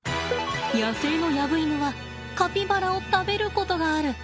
野生のヤブイヌはカピバラを食べることがある。